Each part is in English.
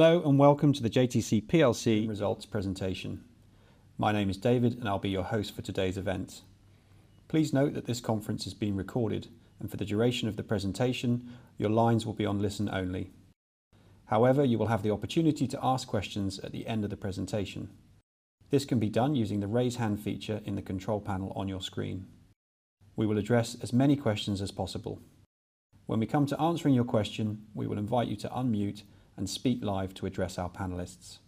Hello and welcome to the JTC PLC results presentation. My name is David, and I'll be your host for today's event. Please note that this conference is being recorded, and for the duration of the presentation, your lines will be on listen only. However, you will have the opportunity to ask questions at the end of the presentation. This can be done using the raise hand feature in the control panel on your screen. We will address as many questions as possible. When we come to answering your question, we will invite you to unmute and speak live to address our panelists.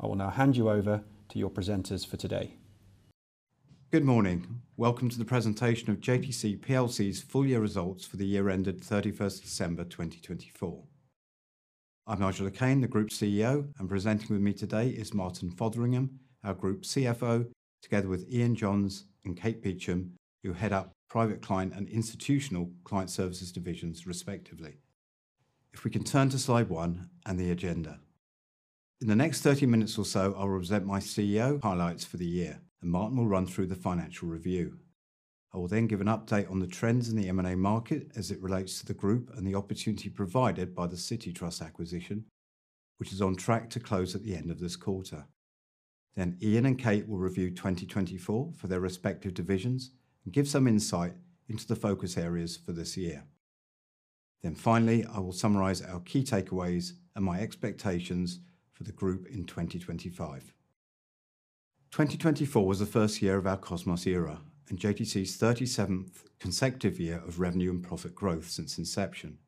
I will now hand you over to your presenters for today. Good morning. Welcome to the presentation of JTC's full year results for the year ended 31st December 2024. I'm Nigel Le Quesne, the Group CEO, and presenting with me today is Martin Fotheringham, our Group CFO, together with Iain Johns and Kate Beauchamp, who head up Private Client and Institutional Client Services Divisions, respectively. If we can turn to slide one and the agenda. In the next 30 minutes or so, I'll represent my CEO highlights for the year, and Martin will run through the financial review. I will then give an update on the trends in the M&A market as it relates to the group and the opportunity provided by the Citi Trust acquisition, which is on track to close at the end of this quarter. Iain and Kate will review 2024 for their respective divisions and give some insight into the focus areas for this year. Finally, I will summarize our key takeaways and my expectations for the group in 2025. 2024 was the first year of our Cosmos era, and JTC's 37th consecutive year of revenue and profit growth since inception.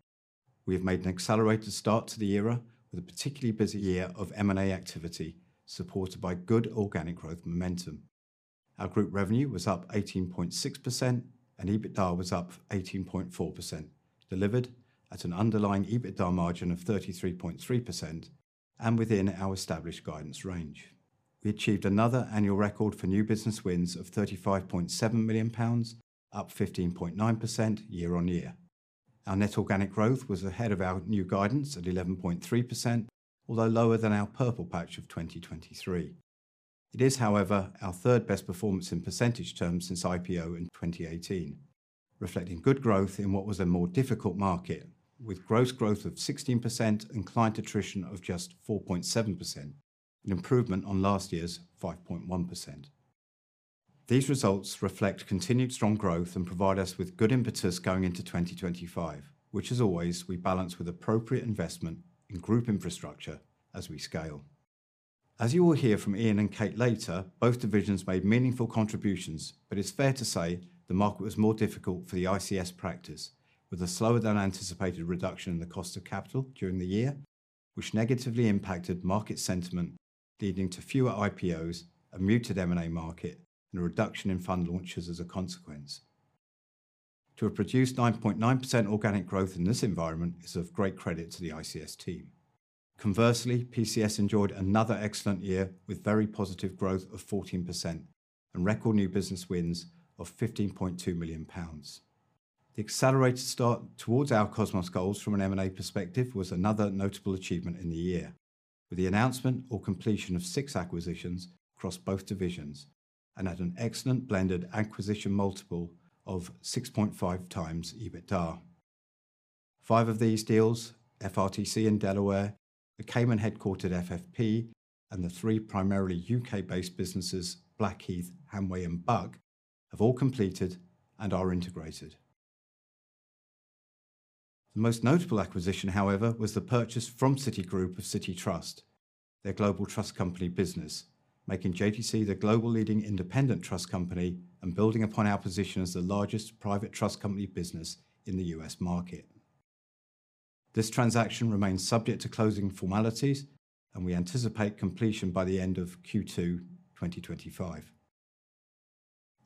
We have made an accelerated start to the era with a particularly busy year of M&A activity supported by good organic growth momentum. Our group revenue was up 18.6%, and EBITDA was up 18.4%, delivered at an underlying EBITDA margin of 33.3%, and within our established guidance range. We achieved another annual record for new business wins of 35.7 million pounds, up 15.9% year on year. Our net organic growth was ahead of our new guidance at 11.3%, although lower than our purple patch of 2023. It is, however, our third best performance in percentage terms since IPO in 2018, reflecting good growth in what was a more difficult market, with gross growth of 16% and client attrition of just 4.7%, an improvement on last year's 5.1%. These results reflect continued strong growth and provide us with good impetus going into 2025, which, as always, we balance with appropriate investment in group infrastructure as we scale. As you will hear from Iain and Kate later, both divisions made meaningful contributions, but it's fair to say the market was more difficult for the ICS practice, with a slower than anticipated reduction in the cost of capital during the year, which negatively impacted market sentiment, leading to fewer IPOs, a muted M&A market, and a reduction in fund launches as a consequence. To have produced 9.9% organic growth in this environment is of great credit to the ICS team. Conversely, PCS enjoyed another excellent year with very positive growth of 14% and record new business wins of 15.2 million pounds. The accelerated start towards our Cosmos goals from an M&A perspective was another notable achievement in the year, with the announcement or completion of six acquisitions across both divisions and at an excellent blended acquisition multiple of 6.5x EBITDA. Five of these deals, FRTC in Delaware, the Cayman-headquartered FFP, and the three primarily U.K.-based businesses, Blackheath, Hanway, and Buck, have all completed and are integrated. The most notable acquisition, however, was the purchase from Citigroup of Citi Trust, their global trust company business, making JTC the global leading independent trust company and building upon our position as the largest private trust company business in the U.S. market. This transaction remains subject to closing formalities, and we anticipate completion by the end of Q2 2025.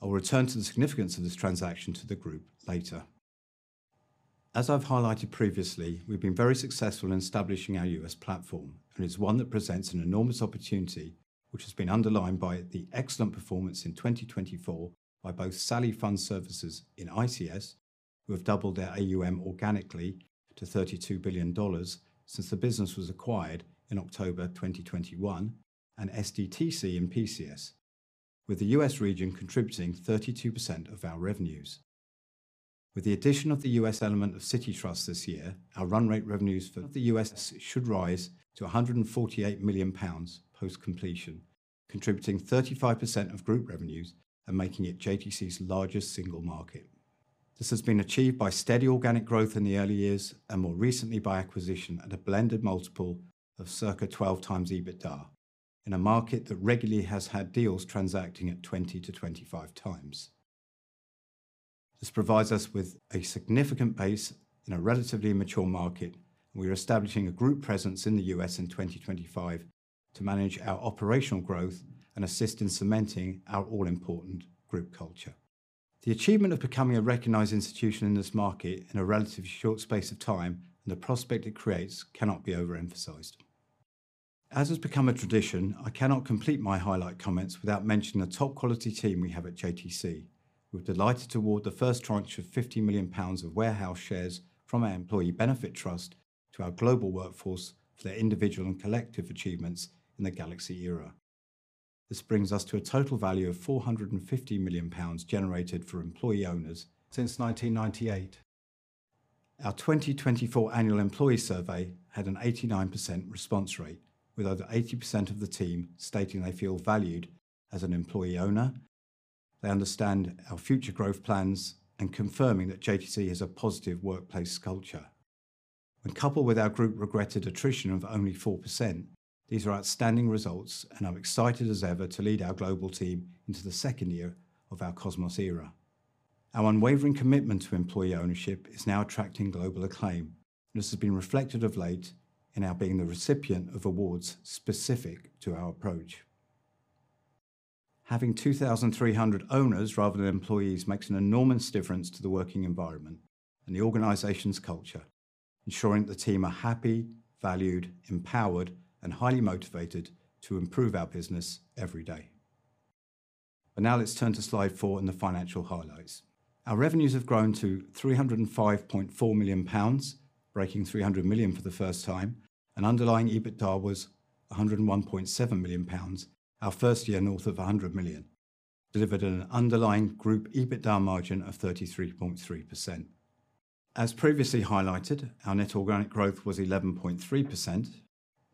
I'll return to the significance of this transaction to the group later. As I've highlighted previously, we've been very successful in establishing our U.S. platform, and it's one that presents an enormous opportunity, which has been underlined by the excellent performance in 2024 by both SALI Fund Services in ICS, who have doubled their AUM organically to $32 billion since the business was acquired in October 2021, and SDTC in PCS, with the U.S. region contributing 32% of our revenues. With the addition of the U.S. element of Citi Trust this year, our run rate revenues for the U.S. should rise to 148 million pounds post-completion, contributing 35% of group revenues and making it JTC's largest single market. This has been achieved by steady organic growth in the early years and more recently by acquisition at a blended multiple of circa 12x EBITDA in a market that regularly has had deals transacting at 20-25 times. This provides us with a significant base in a relatively mature market, and we are establishing a group presence in the U.S. in 2025 to manage our operational growth and assist in cementing our all-important group culture. The achievement of becoming a recognized institution in this market in a relatively short space of time and the prospect it creates cannot be overemphasized. As has become a tradition, I cannot complete my highlight comments without mentioning the top quality team we have at JTC. We're delighted to award the first tranche of 50 million pounds of warehouse shares from our Employee Benefit Trust to our global workforce for their individual and collective achievements in the Galaxy era. This brings us to a total value of 450 million pounds generated for employee owners since 1998. Our 2024 annual employee survey had an 89% response rate, with over 80% of the team stating they feel valued as an employee owner, they understand our future growth plans, and confirming that JTC has a positive workplace culture. When coupled with our group regretted attrition of only 4%, these are outstanding results and are excited as ever to lead our global team into the second year of our Cosmos era. Our unwavering commitment to employee ownership is now attracting global acclaim, and this has been reflected of late in our being the recipient of awards specific to our approach. Having 2,300 owners rather than employees makes an enormous difference to the working environment and the organization's culture, ensuring that the team are happy, valued, empowered, and highly motivated to improve our business every day. Now let's turn to slide four in the financial highlights. Our revenues have grown to 305.4 million pounds, breaking 300 million for the first time, and underlying EBITDA was 101.7 million pounds, our first year north of 100 million, delivered an underlying group EBITDA margin of 33.3%. As previously highlighted, our net organic growth was 11.3%.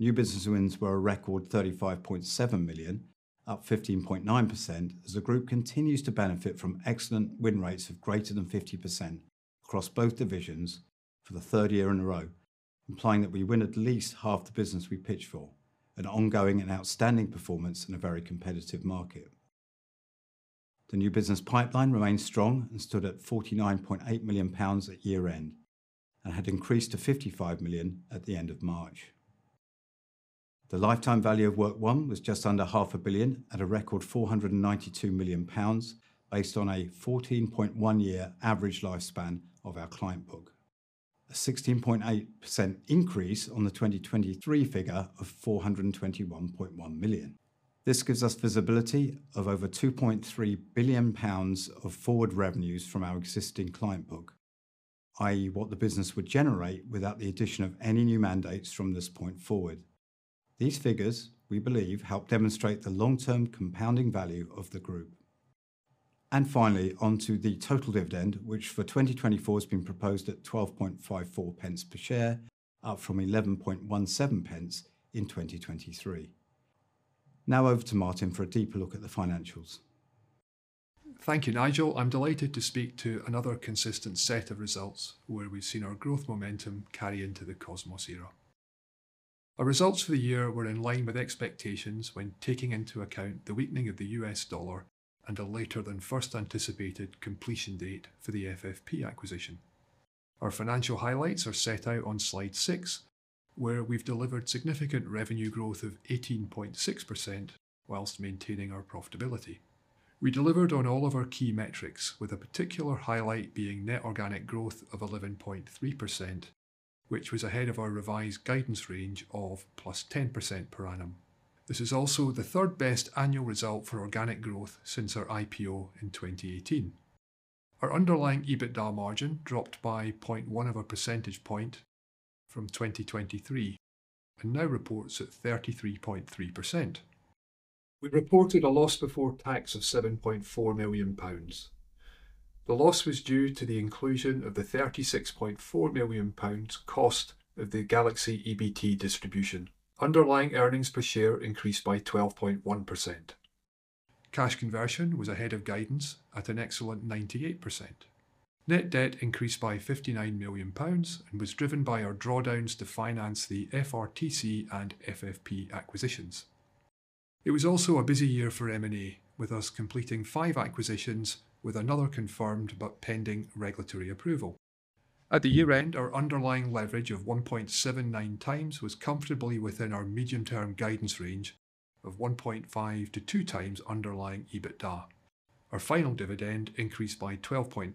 New business wins were a record 35.7 million, up 15.9%, as the group continues to benefit from excellent win rates of greater than 50% across both divisions for the third year in a row, implying that we win at least half the business we pitch for, an ongoing and outstanding performance in a very competitive market. The new business pipeline remained strong and stood at 49.8 million pounds at year end and had increased to 55 million at the end of March. The lifetime value of work won was just under half a billion at a record 492 million pounds based on a 14.1-year average lifespan of our client book, a 16.8% increase on the 2023 figure of 421.1 million. This gives us visibility of over 2.3 billion pounds of forward revenues from our existing client book, i.e., what the business would generate without the addition of any new mandates from this point forward. These figures, we believe, help demonstrate the long-term compounding value of the group. Finally, onto the total dividend, which for 2024 has been proposed at 0.1254 per share, up from 0.1117 in 2023. Now over to Martin for a deeper look at the financials. Thank you, Nigel. I'm delighted to speak to another consistent set of results where we've seen our growth momentum carry into the Cosmos era. Our results for the year were in line with expectations when taking into account the weakening of the U.S. dollar and a later than first anticipated completion date for the FFP acquisition. Our financial highlights are set out on slide six, where we've delivered significant revenue growth of 18.6% whilst maintaining our profitability. We delivered on all of our key metrics, with a particular highlight being net organic growth of 11.3%, which was ahead of our revised guidance range of +10% per annum. This is also the third best annual result for organic growth since our IPO in 2018. Our underlying EBITDA margin dropped by 0.1 of a percentage point from 2023 and now reports at 33.3%. We reported a loss before tax of 7.4 million pounds. The loss was due to the inclusion of the 36.4 million pounds cost of the Galaxy EBT distribution. Underlying earnings per share increased by 12.1%. Cash conversion was ahead of guidance at an excellent 98%. Net debt increased by 59 million pounds and was driven by our drawdowns to finance the FRTC and FFP acquisitions. It was also a busy year for M&A, with us completing five acquisitions with another confirmed but pending regulatory approval. At the year end, our underlying leverage of 1.79x was comfortably within our medium-term guidance range of 1.5x-2x underlying EBITDA. Our final dividend increased by 12.3%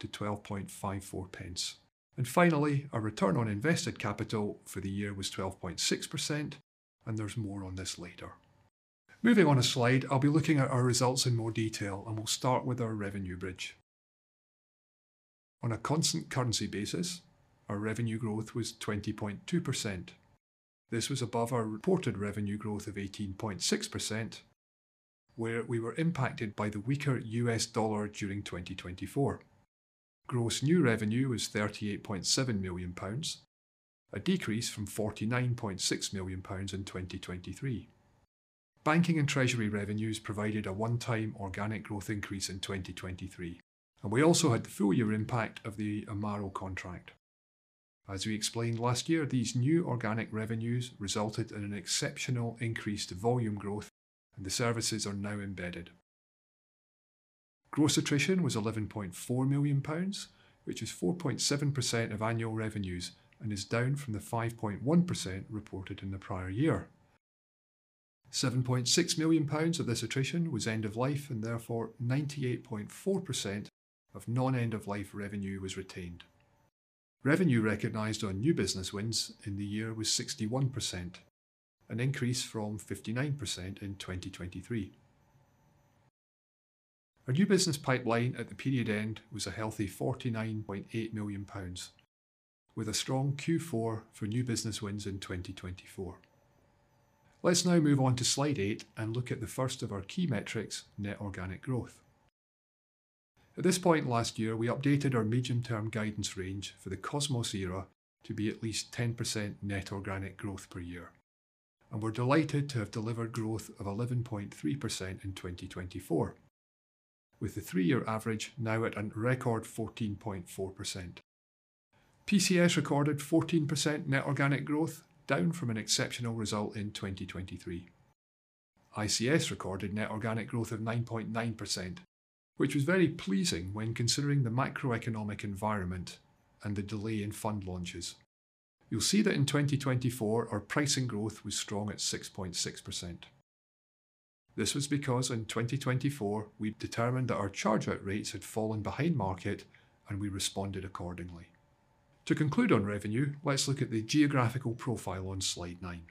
to 12.54. Finally, our return on invested capital for the year was 12.6%, and there is more on this later. Moving on a slide, I'll be looking at our results in more detail, and we'll start with our revenue bridge. On a constant currency basis, our revenue growth was 20.2%. This was above our reported revenue growth of 18.6%, where we were impacted by the weaker U.S. dollar during 2024. Gross new revenue was 38.7 million pounds, a decrease from 49.6 million pounds in 2023. Banking and Treasury revenues provided a one-time organic growth increase in 2023, and we also had the full year impact of the Amaro contract. As we explained last year, these new organic revenues resulted in an exceptional increase to volume growth, and the services are now embedded. Gross attrition was 11.4 million pounds, which is 4.7% of annual revenues and is down from the 5.1% reported in the prior year. 7.6 million pounds of this attrition was end-of-life, and therefore 98.4% of non-end-of-life revenue was retained. Revenue recognized on new business wins in the year was 61%, an increase from 59% in 2023. Our new business pipeline at the period end was a healthy 49.8 million pounds, with a strong Q4 for new business wins in 2024. Let's now move on to slide eight and look at the first of our key metrics, net organic growth. At this point last year, we updated our medium-term guidance range for the Cosmos era to be at least 10% net organic growth per year, and we're delighted to have delivered growth of 11.3% in 2024, with the three-year average now at a record 14.4%. PCS recorded 14% net organic growth, down from an exceptional result in 2023. ICS recorded net organic growth of 9.9%, which was very pleasing when considering the macroeconomic environment and the delay in fund launches. You'll see that in 2024, our pricing growth was strong at 6.6%. This was because in 2024, we determined that our chargeout rates had fallen behind market, and we responded accordingly. To conclude on revenue, let's look at the geographical profile on slide nine.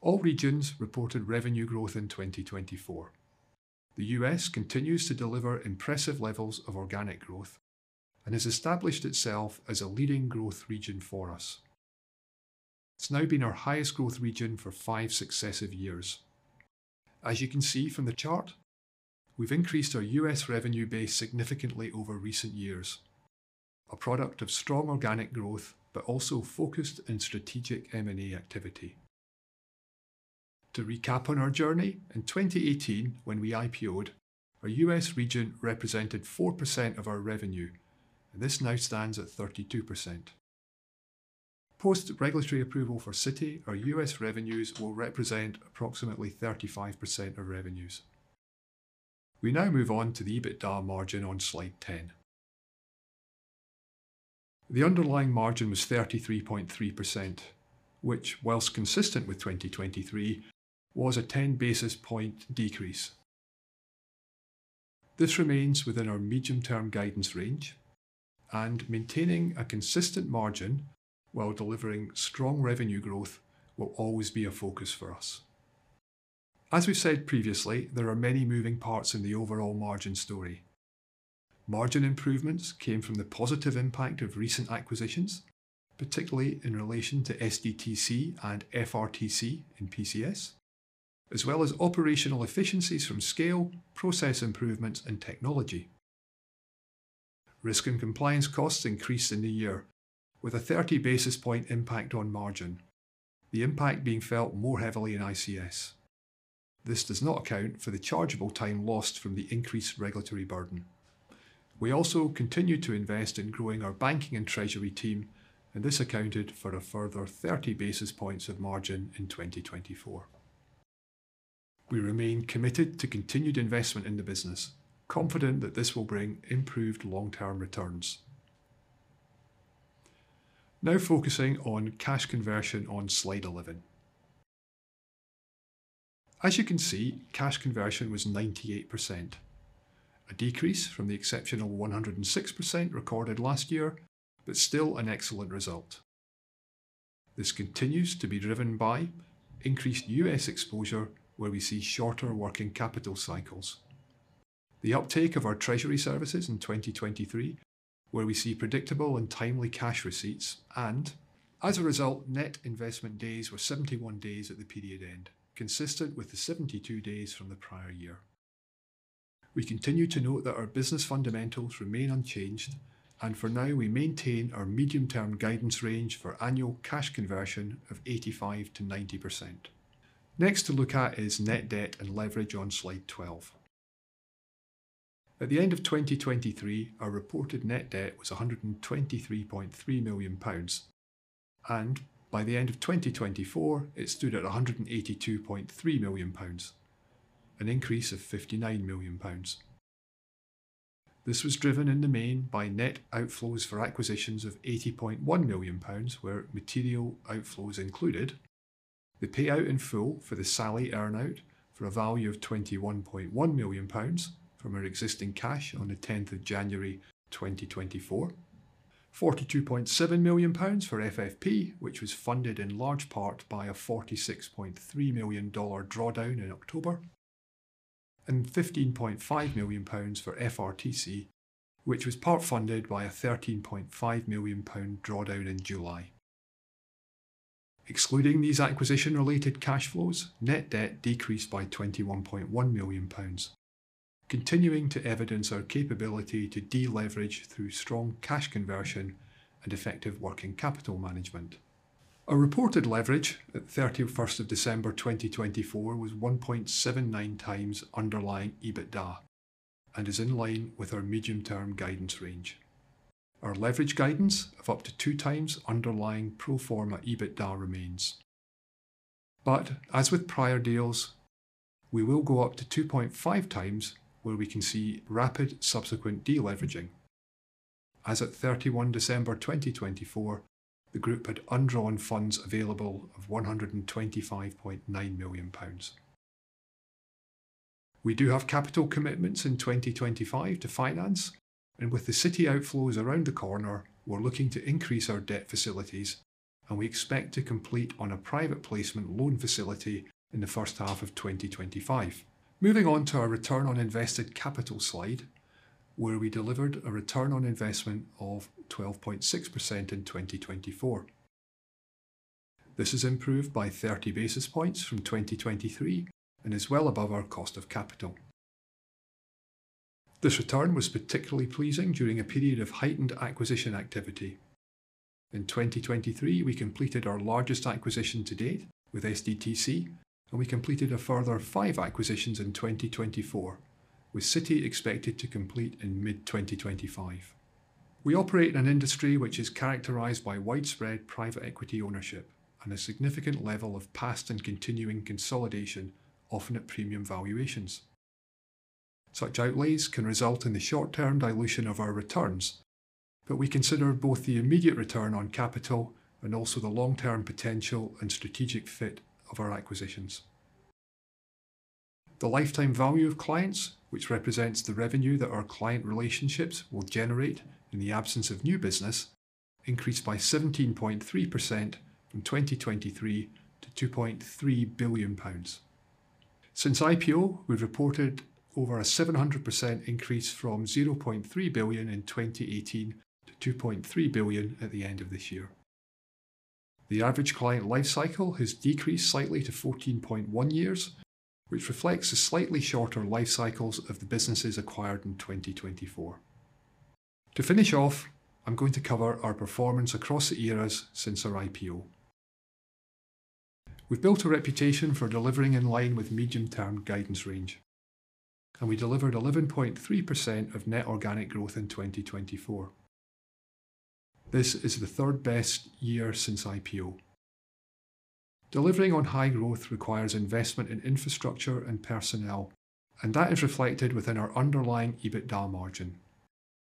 All regions reported revenue growth in 2024. The U.S. continues to deliver impressive levels of organic growth and has established itself as a leading growth region for us. It's now been our highest growth region for five successive years. As you can see from the chart, we've increased our U.S. revenue base significantly over recent years, a product of strong organic growth, but also focused on strategic M&A activity. To recap on our journey, in 2018, when we IPO'ed, our U.S. region represented 4% of our revenue, and this now stands at 32%. Post-regulatory approval for Citi, our U.S. revenues will represent approximately 35% of revenues. We now move on to the EBITDA margin on slide 10. The underlying margin was 33.3%, which, whilst consistent with 2023, was a 10 basis point decrease. This remains within our medium-term guidance range, and maintaining a consistent margin while delivering strong revenue growth will always be a focus for us. As we said previously, there are many moving parts in the overall margin story. Margin improvements came from the positive impact of recent acquisitions, particularly in relation to SDTC and FRTC in PCS, as well as operational efficiencies from scale, process improvements, and technology. Risk and compliance costs increased in the year, with a 30 basis point impact on margin, the impact being felt more heavily in ICS. This does not account for the chargeable time lost from the increased regulatory burden. We also continue to invest in growing our Banking and Treasury team, and this accounted for a further 30 basis points of margin in 2024. We remain committed to continued investment in the business, confident that this will bring improved long-term returns. Now focusing on cash conversion on slide 11. As you can see, cash conversion was 98%, a decrease from the exceptional 106% recorded last year, but still an excellent result. This continues to be driven by increased U.S. exposure, where we see shorter working capital cycles. The uptake of our Treasury services in 2023, where we see predictable and timely cash receipts, and as a result, net investment days were 71 days at the period end, consistent with the 72 days from the prior year. We continue to note that our business fundamentals remain unchanged, and for now, we maintain our medium-term guidance range for annual cash conversion of 85%-90%. Next to look at is net debt and leverage on slide 12. At the end of 2023, our reported net debt was 123.3 million pounds, and by the end of 2024, it stood at 182.3 million pounds, an increase of 59 million pounds. This was driven in the main by net outflows for acquisitions of 80.1 million pounds, where material outflows included. The payout in full for the SALI earnout for a value of 21.1 million pounds from our existing cash on the 10th of January 2024, 42.7 million pounds for FFP, which was funded in large part by a $46.3 million drawdown in October, and 15.5 million pounds for FRTC, which was part funded by a 13.5 million pound drawdown in July. Excluding these acquisition-related cash flows, net debt decreased by 21.1 million pounds, continuing to evidence our capability to deleverage through strong cash conversion and effective working capital management. Our reported leverage at 31 December 2024 was 1.79x underlying EBITDA and is in line with our medium-term guidance range. Our leverage guidance of up to 2x underlying pro forma EBITDA remains. As with prior deals, we will go up to 2.5x, where we can see rapid subsequent deleveraging. As at 31 December 2024, the group had undrawn funds available of 125.9 million pounds. We do have capital commitments in 2025 to finance, and with the Citi outflows around the corner, we're looking to increase our debt facilities, and we expect to complete on a private placement loan facility in the first half of 2025. Moving on to our return on invested capital slide, where we delivered a return on investment of 12.6% in 2024. This is improved by 30 basis points from 2023 and is well above our cost of capital. This return was particularly pleasing during a period of heightened acquisition activity. In 2023, we completed our largest acquisition to date with SDTC, and we completed a further five acquisitions in 2024, with Citi expected to complete in mid-2025. We operate in an industry which is characterized by widespread private equity ownership and a significant level of past and continuing consolidation, often at premium valuations. Such outlays can result in the short-term dilution of our returns, but we consider both the immediate return on capital and also the long-term potential and strategic fit of our acquisitions. The lifetime value of clients, which represents the revenue that our client relationships will generate in the absence of new business, increased by 17.3% from 2023 to 2.3 billion pounds. Since IPO, we've reported over a 700% increase from 0.3 billion in 2018 to 2.3 billion at the end of this year. The average client lifecycle has decreased slightly to 14.1 years, which reflects the slightly shorter lifecycles of the businesses acquired in 2024. To finish off, I'm going to cover our performance across the eras since our IPO. We've built a reputation for delivering in line with medium-term guidance range, and we delivered 11.3% of net organic growth in 2024. This is the third best year since IPO. Delivering on high growth requires investment in infrastructure and personnel, and that is reflected within our underlying EBITDA margin.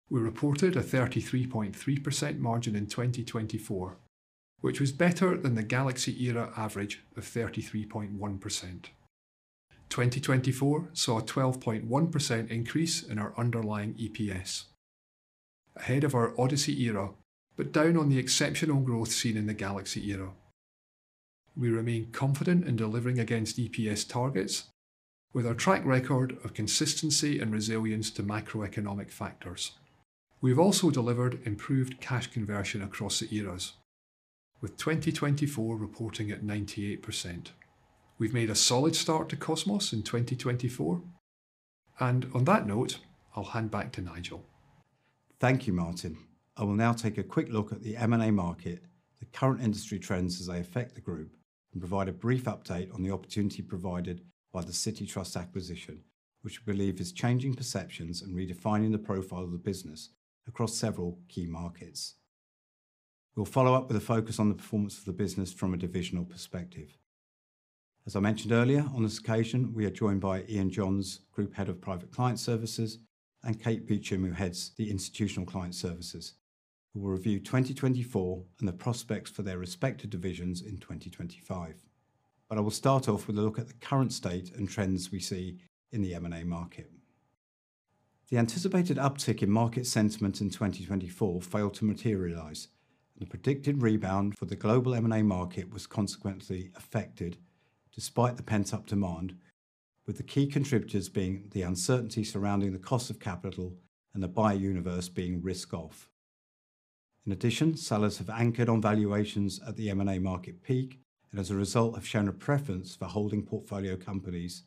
We reported a 33.3% margin in 2024, which was better than the Galaxy era average of 33.1%. 2024 saw a 12.1% increase in our underlying EPS, ahead of our Odyssey era, but down on the exceptional growth seen in the Galaxy era. We remain confident in delivering against EPS targets, with our track record of consistency and resilience to macroeconomic factors. We've also delivered improved cash conversion across the eras, with 2024 reporting at 98%. We've made a solid start to Cosmos in 2024, and on that note, I'll hand back to Nigel. Thank you, Martin. I will now take a quick look at the M&A market, the current industry trends as they affect the group, and provide a brief update on the opportunity provided by the Citi Trust acquisition, which we believe is changing perceptions and redefining the profile of the business across several key markets. We'll follow up with a focus on the performance of the business from a divisional perspective. As I mentioned earlier, on this occasion, we are joined by Iain Johns, Group Head of Private Client Services, and Kate Beauchamp, who heads the Institutional Client Services, who will review 2024 and the prospects for their respective divisions in 2025. I will start off with a look at the current state and trends we see in the M&A market. The anticipated uptick in market sentiment in 2024 failed to materialize, and the predicted rebound for the global M&A market was consequently affected despite the pent-up demand, with the key contributors being the uncertainty surrounding the cost of capital and the buyer universe being risk-off. In addition, sellers have anchored on valuations at the M&A market peak and, as a result, have shown a preference for holding portfolio companies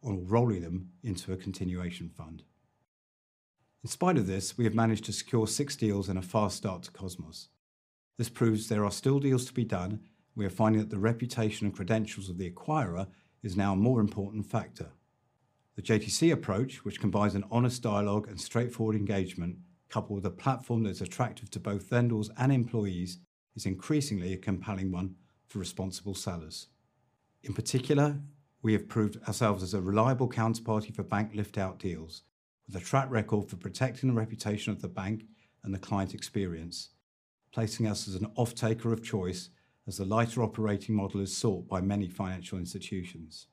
or rolling them into a continuation fund. In spite of this, we have managed to secure six deals and a fast start to Cosmos. This proves there are still deals to be done, and we are finding that the reputation and credentials of the acquirer is now a more important factor. The JTC approach, which combines an honest dialogue and straightforward engagement, coupled with a platform that is attractive to both vendors and employees, is increasingly a compelling one for responsible sellers. In particular, we have proved ourselves as a reliable counterparty for bank lift-out deals, with a track record for protecting the reputation of the bank and the client experience, placing us as an off-taker of choice as the lighter operating model is sought by many financial institutions.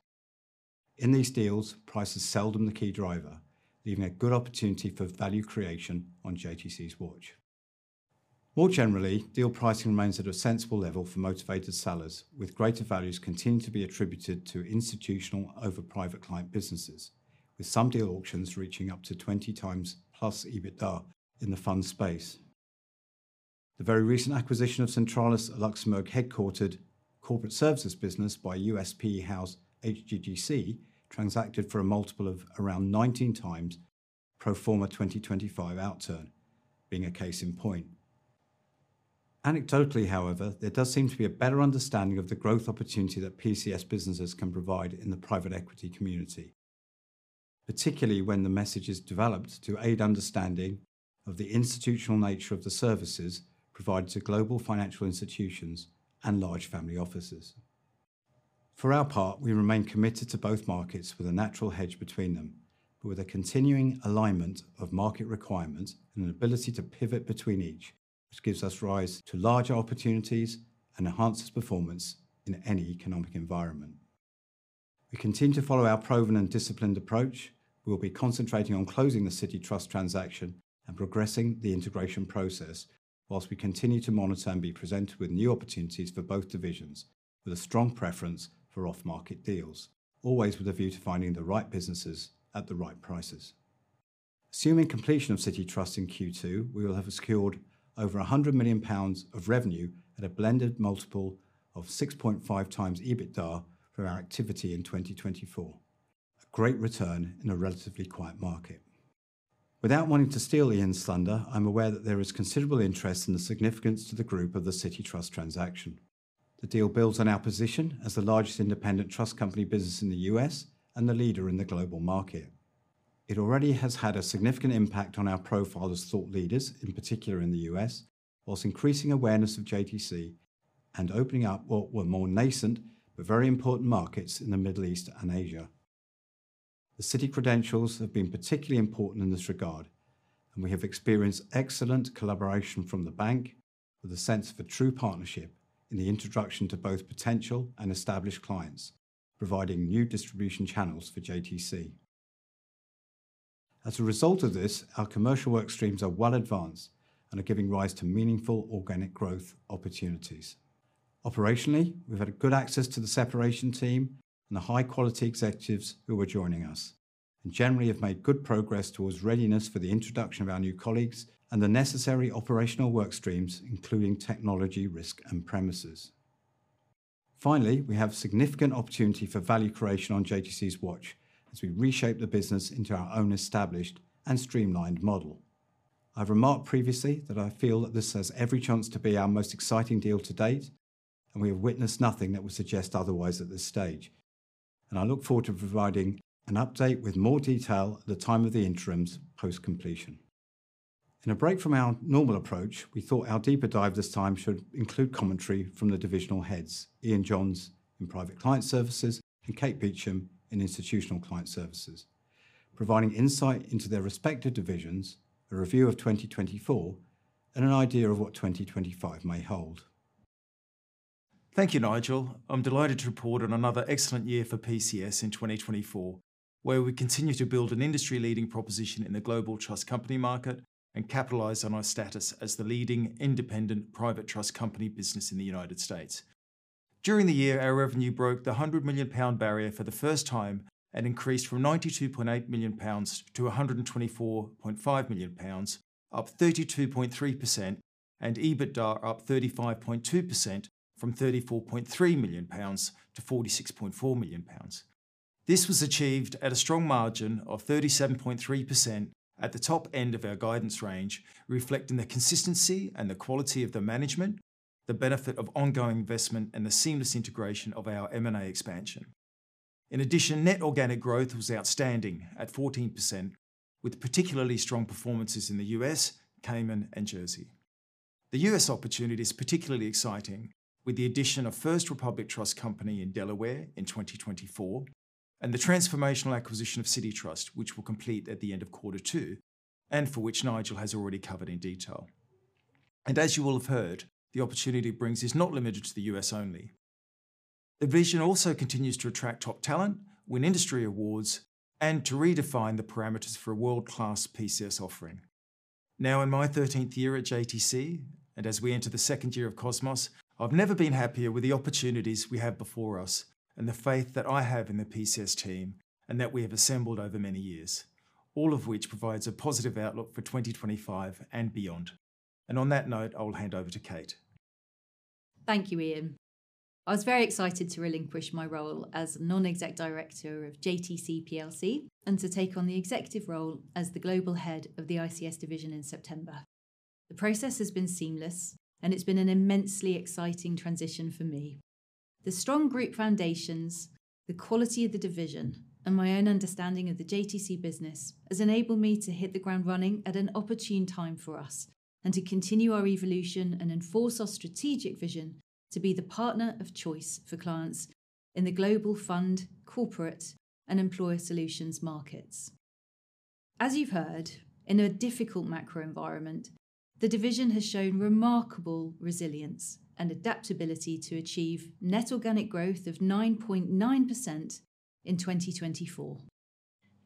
In these deals, price is seldom the key driver, leaving a good opportunity for value creation on JTC's watch. More generally, deal pricing remains at a sensible level for motivated sellers, with greater values continuing to be attributed to institutional over private client businesses, with some deal auctions reaching up to 20x plus EBITDA in the fund space. The very recent acquisition of Centralis Luxembourg headquartered corporate services business by U.S. PE house HGGC transacted for a multiple of around 19x pro forma 2025 outturn, being a case in point. Anecdotally, however, there does seem to be a better understanding of the growth opportunity that PCS businesses can provide in the private equity community, particularly when the message is developed to aid understanding of the institutional nature of the services provided to global financial institutions and large family offices. For our part, we remain committed to both markets with a natural hedge between them, but with a continuing alignment of market requirements and an ability to pivot between each, which gives us rise to larger opportunities and enhances performance in any economic environment. We continue to follow our proven and disciplined approach. We will be concentrating on closing the Citi Trust transaction and progressing the integration process, whilst we continue to monitor and be presented with new opportunities for both divisions, with a strong preference for off-market deals, always with a view to finding the right businesses at the right prices. Assuming completion of Citi Trust in Q2, we will have secured over 100 million pounds of revenue at a blended multiple of 6.5x EBITDA for our activity in 2024, a great return in a relatively quiet market. Without wanting to steal Iain's thunder, I'm aware that there is considerable interest in the significance to the group of the Citi Trust transaction. The deal builds on our position as the largest independent trust company business in the U.S. and the leader in the global market. It already has had a significant impact on our profile as thought leaders, in particular in the U.S., whilst increasing awareness of JTC and opening up what were more nascent but very important markets in the Middle East and Asia. The Citi credentials have been particularly important in this regard, and we have experienced excellent collaboration from the bank, with a sense of a true partnership in the introduction to both potential and established clients, providing new distribution channels for JTC. As a result of this, our commercial work streams are well advanced and are giving rise to meaningful organic growth opportunities. Operationally, we've had good access to the separation team and the high-quality executives who are joining us, and generally have made good progress towards readiness for the introduction of our new colleagues and the necessary operational work streams, including technology, risk, and premises. Finally, we have significant opportunity for value creation on JTC's watch as we reshape the business into our own established and streamlined model. I've remarked previously that I feel that this has every chance to be our most exciting deal to date, and we have witnessed nothing that would suggest otherwise at this stage, and I look forward to providing an update with more detail at the time of the interims post-completion. In a break from our normal approach, we thought our deeper dive this time should include commentary from the divisional heads, Iain Johns in Private Client Services and Kate Beauchamp in Institutional Client Services, providing insight into their respective divisions, a review of 2024, and an idea of what 2025 may hold. Thank you, Nigel. I'm delighted to report on another excellent year for PCS in 2024, where we continue to build an industry-leading proposition in the global trust company market and capitalize on our status as the leading independent private trust company business in the U.S. During the year, our revenue broke the 100 million pound barrier for the first time and increased from 92.8 million pounds to 124.5 million pounds, up 32.3%, and EBITDA up 35.2% from 34.3 million pounds to 46.4 million pounds. This was achieved at a strong margin of 37.3% at the top end of our guidance range, reflecting the consistency and the quality of the management, the benefit of ongoing investment, and the seamless integration of our M&A expansion. In addition, net organic growth was outstanding at 14%, with particularly strong performances in the U.S., Cayman, and Jersey. The U.S. opportunity is particularly exciting, with the addition of First Republic Trust Company in Delaware in 2024 and the transformational acquisition of Citi Trust, which will complete at the end of Q2 and for which Nigel has already covered in detail. As you will have heard, the opportunity it brings is not limited to the U.S. only. The vision also continues to attract top talent, win industry awards, and to redefine the parameters for a world-class PCS offering. Now, in my thirteenth year at JTC, and as we enter the second year of Cosmos, I have never been happier with the opportunities we have before us and the faith that I have in the PCS team and that we have assembled over many years, all of which provides a positive outlook for 2025 and beyond. On that note, I will hand over to Kate. Thank you, Iain. I was very excited to relinquish my role as non-exec director of JTC and to take on the executive role as the global head of the ICS division in September. The process has been seamless, and it's been an immensely exciting transition for me. The strong group foundations, the quality of the division, and my own understanding of the JTC business have enabled me to hit the ground running at an opportune time for us and to continue our evolution and enforce our strategic vision to be the partner of choice for clients in the global fund, corporate, and employer solutions markets. As you've heard, in a difficult macro environment, the division has shown remarkable resilience and adaptability to achieve net organic growth of 9.9% in 2024.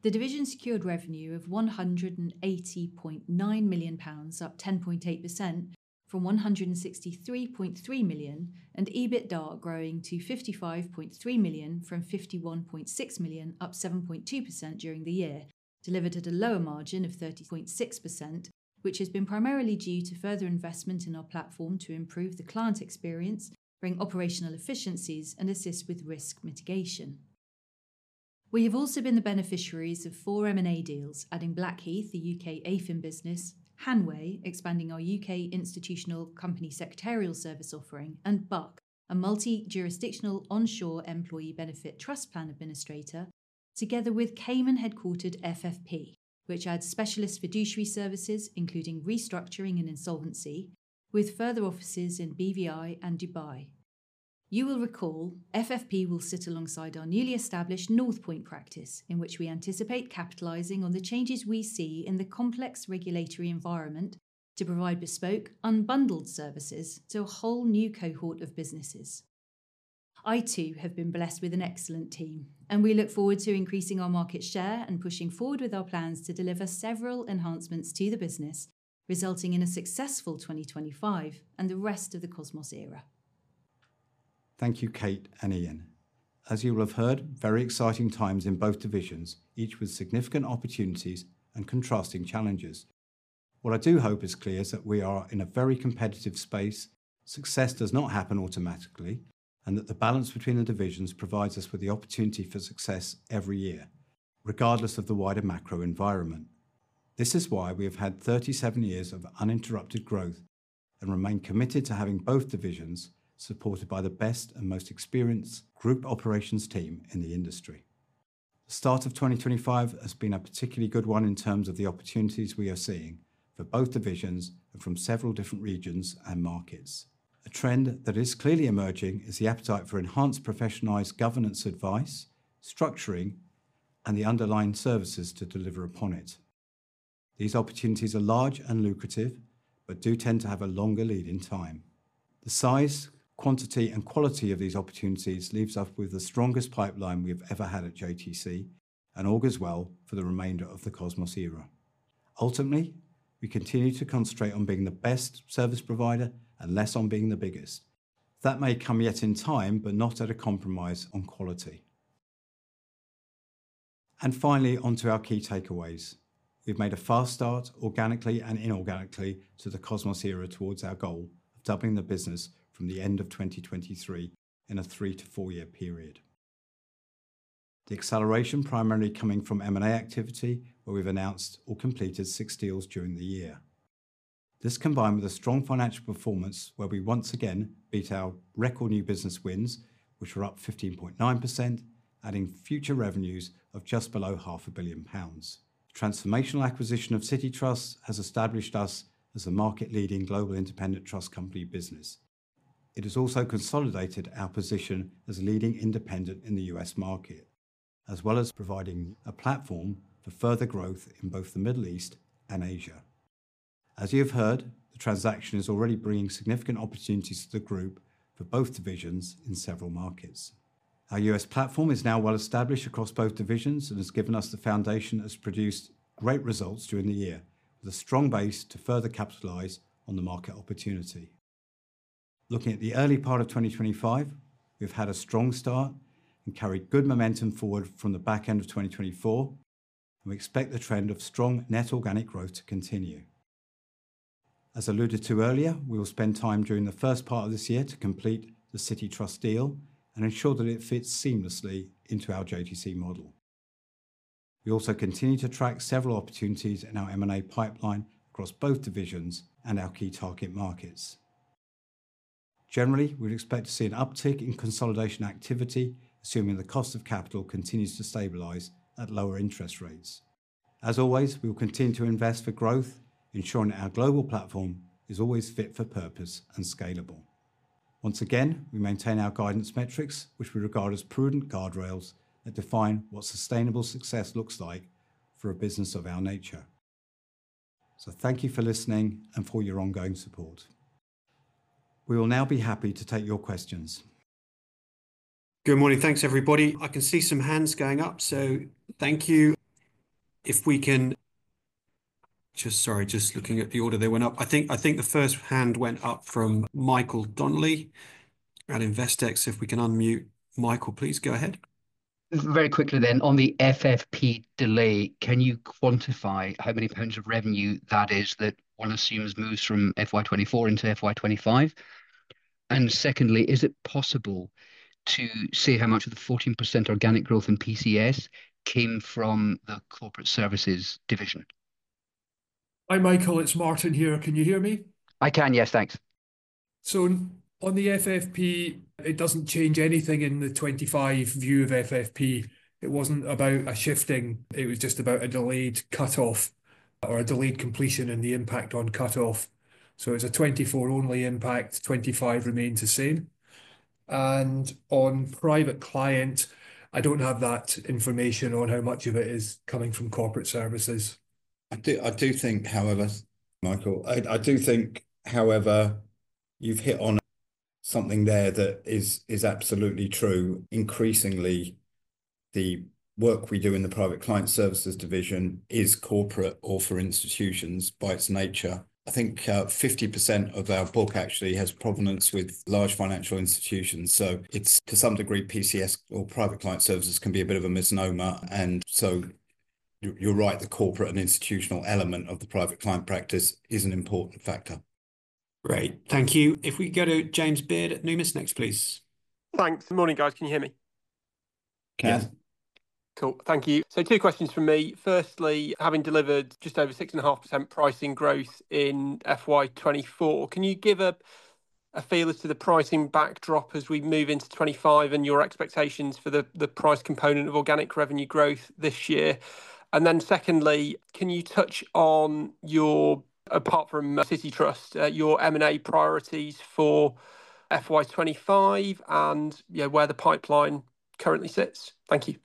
The division secured revenue of 180.9 million pounds, up 10.8% from 163.3 million, and EBITDA growing to 55.3 million from 51.6 million, up 7.2% during the year, delivered at a lower margin of 30.6%, which has been primarily due to further investment in our platform to improve the client experience, bring operational efficiencies, and assist with risk mitigation. We have also been the beneficiaries of four M&A deals, adding Blackheath, the U.K. AIFM business, Hanway, expanding our U.K. Institutional Company Secretarial Service offering, and Buck, a multi-jurisdictional onshore employee benefit trust plan administrator, together with Cayman-headquartered FFP, which adds specialist fiduciary services, including restructuring and insolvency, with further offices in British Virgin Islands and Dubai. You will recall FFP will sit alongside our newly established Northpoint practice, in which we anticipate capitalizing on the changes we see in the complex regulatory environment to provide bespoke, unbundled services to a whole new cohort of businesses. I, too, have been blessed with an excellent team, and we look forward to increasing our market share and pushing forward with our plans to deliver several enhancements to the business, resulting in a successful 2025 and the rest of the Cosmos era. Thank you, Kate and Iain. As you will have heard, very exciting times in both divisions, each with significant opportunities and contrasting challenges. What I do hope is clear is that we are in a very competitive space, success does not happen automatically, and that the balance between the divisions provides us with the opportunity for success every year, regardless of the wider macro environment. This is why we have had 37 years of uninterrupted growth and remain committed to having both divisions supported by the best and most experienced group operations team in the industry. The start of 2025 has been a particularly good one in terms of the opportunities we are seeing for both divisions and from several different regions and markets. A trend that is clearly emerging is the appetite for enhanced professionalized governance advice, structuring, and the underlying services to deliver upon it. These opportunities are large and lucrative, but do tend to have a longer lead in time. The size, quantity, and quality of these opportunities leaves us with the strongest pipeline we have ever had at JTC, and all goes well for the remainder of the Cosmos era. Ultimately, we continue to concentrate on being the best service provider and less on being the biggest. That may come yet in time, but not at a compromise on quality. Finally, onto our key takeaways. We've made a fast start organically and inorganically to the Cosmos era towards our goal of doubling the business from the end of 2023 in a three- to four-year period. The acceleration primarily coming from M&A activity, where we've announced or completed six deals during the year. This combined with a strong financial performance, where we once again beat our record new business wins, which were up 15.9%, adding future revenues of just below 500 million pounds. The transformational acquisition of Citi Trust has established us as a market-leading global independent trust company business. It has also consolidated our position as a leading independent in the U.S. market, as well as providing a platform for further growth in both the Middle East and Asia. As you have heard, the transaction is already bringing significant opportunities to the group for both divisions in several markets. Our U.S. platform is now well established across both divisions and has given us the foundation that has produced great results during the year, with a strong base to further capitalize on the market opportunity. Looking at the early part of 2025, we've had a strong start and carried good momentum forward from the back end of 2024, and we expect the trend of strong net organic growth to continue. As alluded to earlier, we will spend time during the first part of this year to complete the Citi Trust deal and ensure that it fits seamlessly into our JTC model. We also continue to track several opportunities in our M&A pipeline across both divisions and our key target markets. Generally, we would expect to see an uptick in consolidation activity, assuming the cost of capital continues to stabilize at lower interest rates. As always, we will continue to invest for growth, ensuring that our global platform is always fit for purpose and scalable. Once again, we maintain our guidance metrics, which we regard as prudent guardrails that define what sustainable success looks like for a business of our nature. Thank you for listening and for your ongoing support. We will now be happy to take your questions. Good morning. Thanks, everybody. I can see some hands going up, so thank you. If we can just, sorry, just looking at the order they went up, I think the first hand went up from Michael Donnelly at Investec. If we can unmute Michael, please go ahead. Very quickly then, on the FFP delay, can you quantify how many pounds of revenue that is that one assumes moves from FY 2024 into FY 2025? And secondly, is it possible to see how much of the 14% organic growth in PCS came from the corporate services division? Hi, Michael, it's Martin here. Can you hear me? I can, yes, thanks. On the FFP, it does not change anything in the 2025 view of FFP. It was not about a shifting, it was just about a delayed cutoff or a delayed completion and the impact on cutoff. It is a 2024 only impact; 2025 remains the same. On private client, I do not have that information on how much of it is coming from corporate services. I do think, however, Michael, I do think, however, you have hit on something there that is absolutely true. Increasingly, the work we do in the private client services division is corporate or for institutions by its nature. I think 50% of our book actually has provenance with large financial institutions, so it's to some degree PCS or private client services can be a bit of a misnomer. You are right, the corporate and institutional element of the private client practice is an important factor. Great, thank you. If we go to James Beard at Numis next, please. Thanks. Good morning, guys. Can you hear me? Yes. Cool, thank you. Two questions for me. Firstly, having delivered just over 6.5% pricing growth in FY 2024, can you give a feel as to the pricing backdrop as we move into 2025 and your expectations for the price component of organic revenue growth this year? Then secondly, can you touch on your, apart from Citi Trust, your M&A priorities for FY 2025 and where the pipeline currently sits? Thank you.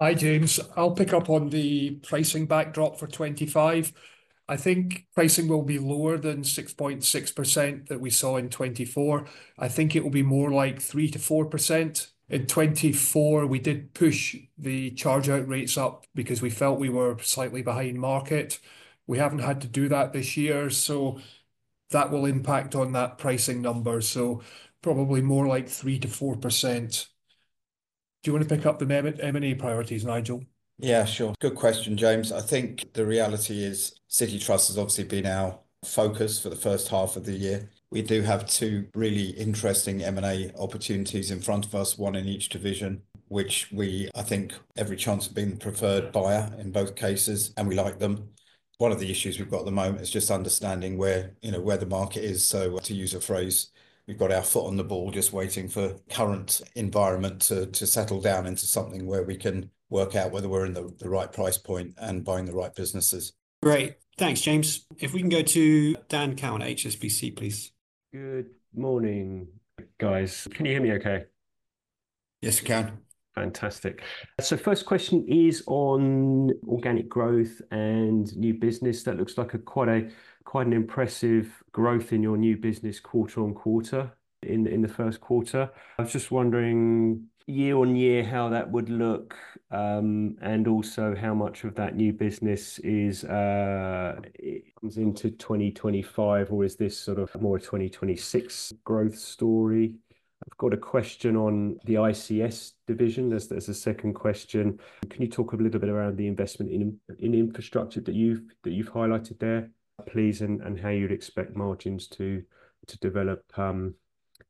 Hi, James. I'll pick up on the pricing backdrop for 2025. I think pricing will be lower than 6.6% that we saw in 2024. I think it will be more like 3-4%. In 2024, we did push the chargeout rates up because we felt we were slightly behind market. We haven't had to do that this year, so that will impact on that pricing number. So probably more like 3-4%. Do you want to pick up the M&A priorities, Nigel? Yeah, sure. Good question, James. I think the reality is Citi Trust has obviously been our focus for the first half of the year. We do have two really interesting M&A opportunities in front of us, one in each division, which we, I think, every chance have been the preferred buyer in both cases, and we like them. One of the issues we've got at the moment is just understanding where, you know, where the market is. To use a phrase, we've got our foot on the ball, just waiting for the current environment to settle down into something where we can work out whether we're in the right price point and buying the right businesses. Great, thanks, James. If we can go to Dan Cowan, HSBC, please. Good morning, guys. Can you hear me okay? Yes, we can. Fantastic. First question is on organic growth and new business. That looks like quite a, quite an impressive growth in your new business quarter on quarter in the first quarter. I was just wondering year on year how that would look, and also how much of that new business is, comes into 2025, or is this sort of more a 2026 growth story? I've got a question on the ICS division as a second question. Can you talk a little bit around the investment in infrastructure that you've highlighted there, please, and how you'd expect margins to develop,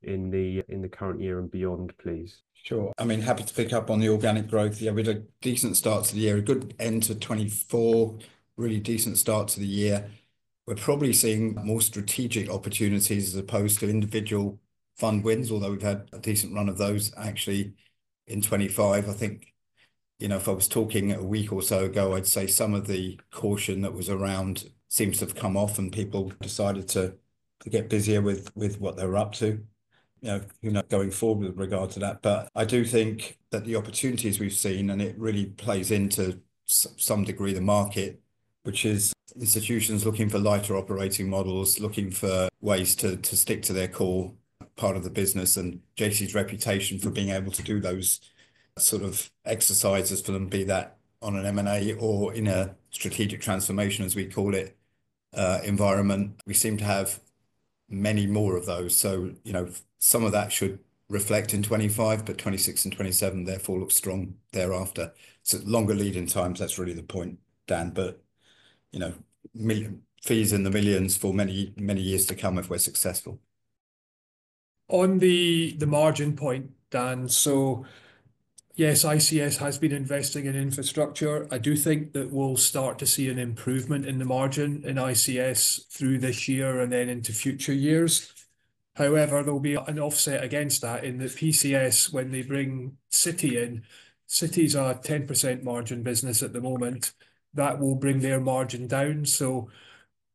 in the current year and beyond, please? Sure. I mean, happy to pick up on the organic growth. Yeah, we had a decent start to the year, a good end to 2024, really decent start to the year. We're probably seeing more strategic opportunities as opposed to individual fund wins, although we've had a decent run of those actually in 2025. I think, you know, if I was talking a week or so ago, I'd say some of the caution that was around seems to have come off, and people decided to get busier with what they were up to. You know, who knows going forward with regard to that. I do think that the opportunities we've seen, and it really plays into some degree the market, which is institutions looking for lighter operating models, looking for ways to stick to their core part of the business. And JTC's reputation for being able to do those sort of exercises for them, be that on an M&A or in a strategic transformation, as we call it, environment, we seem to have many more of those. You know, some of that should reflect in 2025, but 2026 and 2027 therefore look strong thereafter. Longer lead in time, that's really the point, Dan. You know, fees in the millions for many, many years to come if we're successful. On the margin point, Dan, yes, ICS has been investing in infrastructure. I do think that we'll start to see an improvement in the margin in ICS through this year and then into future years. However, there'll be an offset against that in the PCS when they bring Citi in. Citi is a 10% margin business at the moment. That will bring their margin down.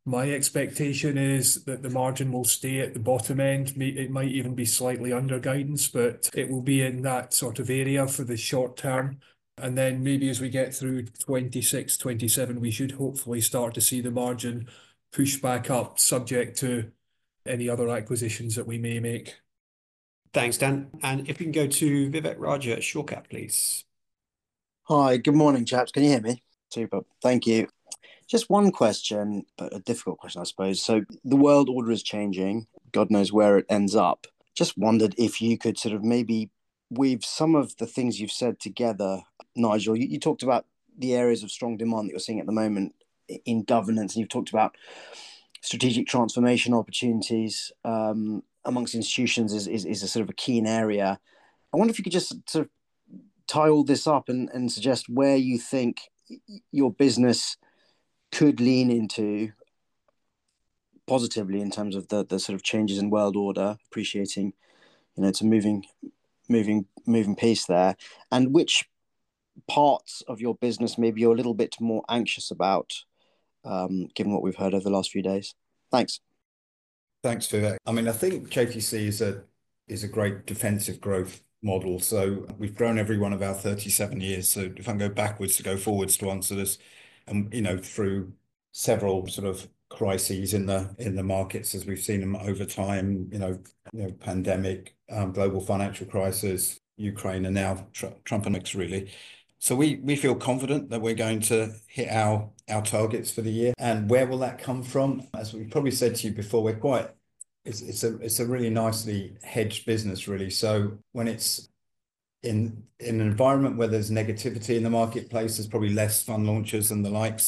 My expectation is that the margin will stay at the bottom end. It might even be slightly under guidance, but it will be in that sort of area for the short term. Maybe as we get through 2026, 2027, we should hopefully start to see the margin push back up, subject to any other acquisitions that we may make. Thanks, Dan. If we can go to Vivek Raja at Shore Capital, please. Hi, good morning, chaps. Can you hear me? Super. Thank you. Just one question, a difficult question, I suppose. The world order is changing. God knows where it ends up. Just wondered if you could sort of maybe weave some of the things you have said together, Nigel. You talked about the areas of strong demand that you are seeing at the moment in governance, and you have talked about strategic transformation opportunities, amongst institutions is a sort of a keen area. I wonder if you could just sort of tie all this up and suggest where you think your business could lean into positively in terms of the sort of changes in world order, appreciating, you know, it's a moving, moving piece there. And which parts of your business maybe you're a little bit more anxious about, given what we've heard over the last few days? Thanks. Thanks, Vivek. I mean, I think JTC is a great defensive growth model. We've grown every one of our 37 years. If I can go backwards to go forwards to answer this, you know, through several sort of crises in the markets as we've seen them over time, you know, pandemic, global financial crisis, Ukraine, and now Trump and [X] really. We feel confident that we're going to hit our targets for the year. Where will that come from? As we've probably said to you before, it's a really nicely hedged business, really. In an environment where there's negativity in the marketplace, there's probably less fund launches and the like.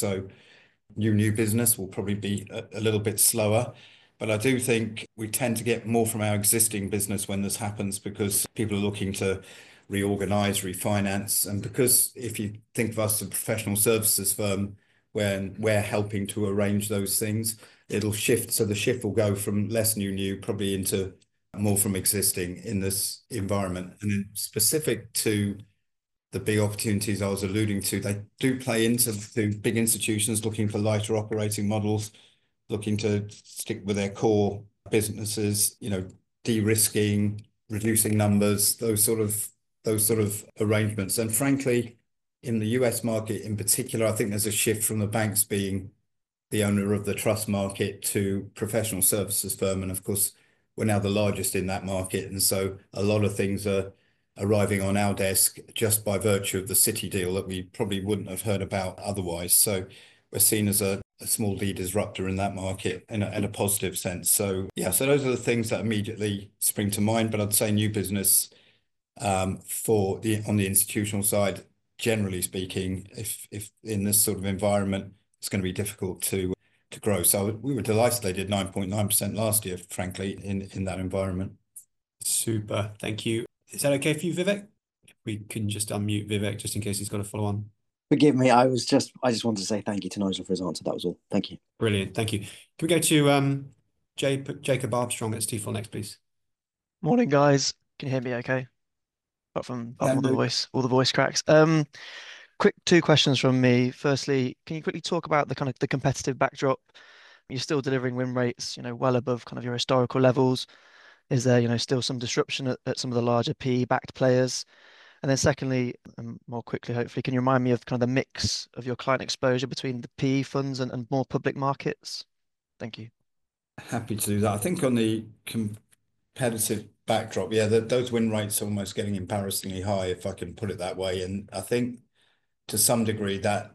New business will probably be a little bit slower. I do think we tend to get more from our existing business when this happens because people are looking to reorganize, refinance. If you think of us as a professional services firm, when we're helping to arrange those things, it'll shift. The shift will go from less new, probably into more from existing in this environment. Then specific to the big opportunities I was alluding to, they do play into the big institutions looking for lighter operating models, looking to stick with their core businesses, you know, de-risking, reducing numbers, those sort of arrangements. Frankly, in the U.S. market in particular, I think there is a shift from the banks being the owner of the trust market to professional services firms. Of course, we are now the largest in that market. A lot of things are arriving on our desk just by virtue of the Citi Trust deal that we probably would not have heard about otherwise. We are seen as a small disruptor in that market in a positive sense. Those are the things that immediately spring to mind. I'd say new business, for the on the institutional side, generally speaking, if in this sort of environment, it's going to be difficult to grow. We were delighted they did 9.9% last year, frankly, in that environment. Super. Thank you. Is that okay for you, Vivek? If we can just unmute Vivek just in case he's got a follow-on. Forgive me, I was just, I just wanted to say thank you to Nigel for his answer. That was all. Thank you. Brilliant. Thank you. Can we go to Jacob Armstrong at Stifel next, please? Morning, guys. Can you hear me okay? Apart from all the voice, all the voice cracks. Quick two questions from me. Firstly, can you quickly talk about the kind of the competitive backdrop? You're still delivering win rates, you know, well above kind of your historical levels. Is there, you know, still some disruption at some of the larger PE-backed players? And then secondly, and more quickly, hopefully, can you remind me of kind of the mix of your client exposure between the PE funds and more public markets? Thank you. Happy to do that. I think on the competitive backdrop, yeah, those win rates are almost getting embarrassingly high, if I can put it that way. I think to some degree that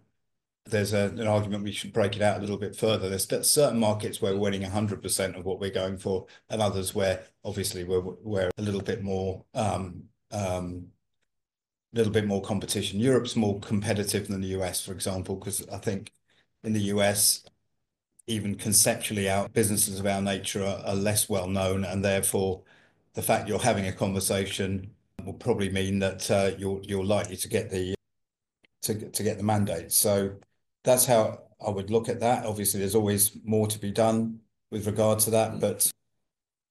there's an argument we should break it out a little bit further. There are certain markets where we're winning 100% of what we're going for, and others where obviously we're a little bit more, a little bit more competition. Europe's more competitive than the U.S., for example, because I think in the U.S., even conceptually our businesses of our nature are less well known. Therefore, the fact you're having a conversation will probably mean that you're likely to get the, to get the mandate. That's how I would look at that. Obviously, there's always more to be done with regard to that.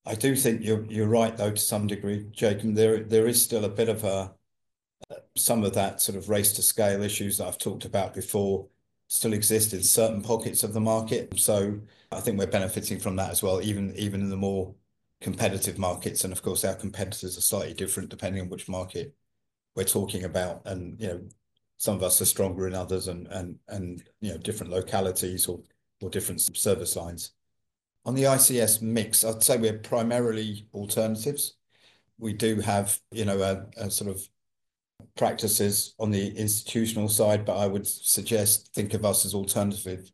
I do think you're right, though, to some degree, Jacob, there is still a bit of a, some of that sort of race to scale issues that I've talked about before still exist in certain pockets of the market. I think we're benefiting from that as well, even in the more competitive markets. Of course, our competitors are slightly different depending on which market we're talking about. You know, some of us are stronger in others and, you know, different localities or different service lines. On the ICS mix, I'd say we're primarily alternatives. We do have, you know, a sort of practices on the institutional side, but I would suggest think of us as alternative,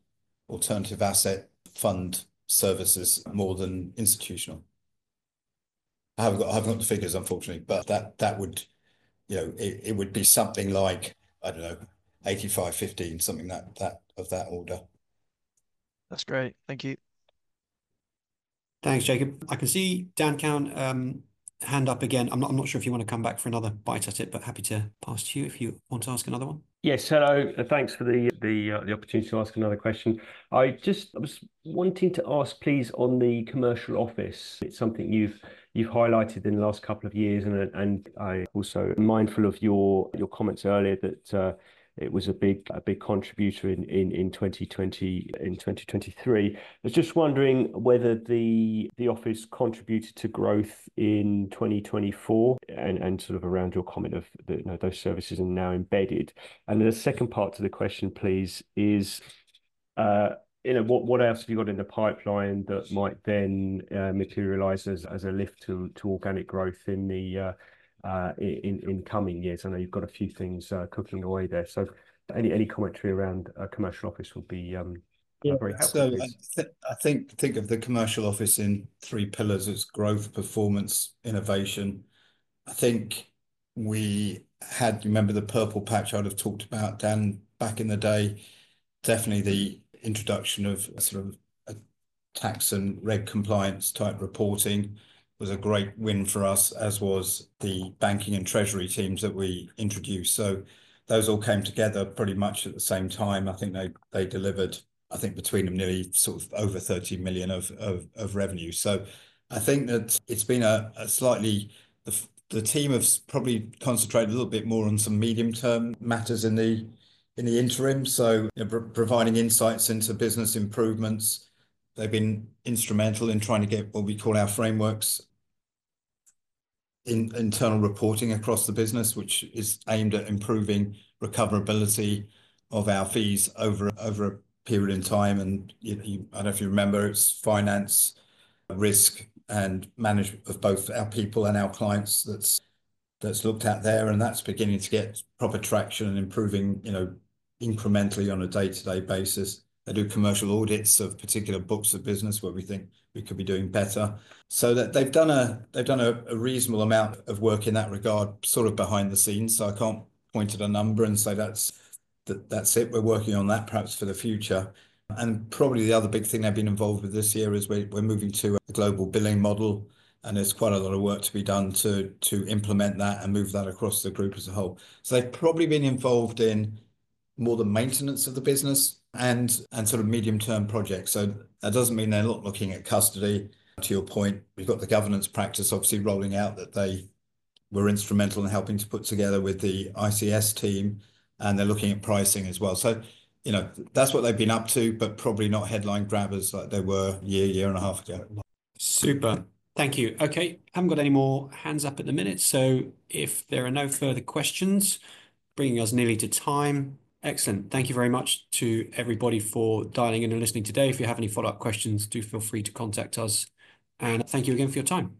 alternative asset fund services more than institutional. I have not got the figures, unfortunately, but that, that would, you know, it would be something like, I do not know, 85, 15, something that, that of that order. That is great. Thank you. Thanks, Jacob. I can see Dan Cowan, hand up again. I am not sure if you want to come back for another bite at it, but happy to pass to you if you want to ask another one. Yes. Hello. Thanks for the, the, the opportunity to ask another question. I just was wanting to ask, please, on the Commercial Office, it is something you have, you have highlighted in the last couple of years. I also mindful of your comments earlier that it was a big, a big contributor in 2023. I was just wondering whether the office contributed to growth in 2024 and sort of around your comment that those services are now embedded. The second part to the question, please, is, you know, what else have you got in the pipeline that might then materialize as a lift to organic growth in the coming years? I know you've got a few things cooking away there. Any commentary around a Commercial Office would be very helpful. I think, think of the Commercial Office in three pillars. It's growth, performance, innovation. I think we had, you remember the purple patch I'd have talked about, Dan, back in the day? Definitely the introduction of sort of a tax and reg compliance type reporting was a great win for us, as was the Banking and Treasury teams that we introduced. Those all came together pretty much at the same time. I think they delivered, I think between them nearly sort of over 30 million of revenue. I think that it's been a slightly, the team have probably concentrated a little bit more on some medium term matters in the interim. Providing insights into business improvements, they've been instrumental in trying to get what we call our frameworks in internal reporting across the business, which is aimed at improving recoverability of our fees over a period of time. You know, I don't know if you remember, it's finance, risk, and management of both our people and our clients that's looked at there. That's beginning to get proper traction and improving, you know, incrementally on a day-to-day basis. They do commercial audits of particular books of business where we think we could be doing better. They've done a reasonable amount of work in that regard, sort of behind the scenes. I can't point at a number and say that's it. We're working on that perhaps for the future. Probably the other big thing I've been involved with this year is we're moving to a global billing model. There's quite a lot of work to be done to implement that and move that across the group as a whole. They've probably been involved in more the maintenance of the business and, and sort of medium term projects. That doesn't mean they're not looking at custody. To your point, we've got the governance practice obviously rolling out that they were instrumental in helping to put together with the ICS team. They're looking at pricing as well. You know, that's what they've been up to, but probably not headline grabbers like they were a year, year and a half ago. Super. Thank you. Okay. Haven't got any more hands up at the minute. If there are no further questions, bringing us nearly to time. Excellent. Thank you very much to everybody for dialing in and listening today. If you have any follow-up questions, do feel free to contact us. Thank you again for your time.